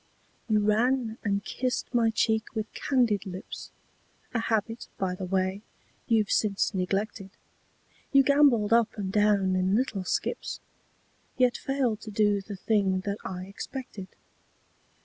You ran and kissed my cheek with candied lips, A habit, by the way, you've since neglected ; You gambolled up and down in little skips, Yet failed to do the thing that I expected.